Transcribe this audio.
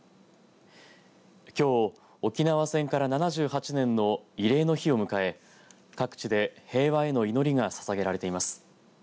きょう沖縄戦から７８年の慰霊の日を迎え各地で平和への祈りがささげられています。